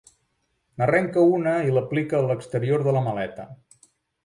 N'arrenca una i l'aplica a l'exterior de la maleta.